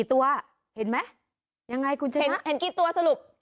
เอาคุณลองส่องดูนี่เห็นกี่ตัวนับหนู